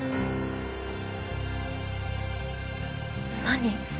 何？